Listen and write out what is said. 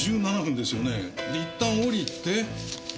でいったん降りてえ